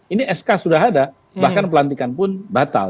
ini sk sudah ada bahkan pelantikan pun batal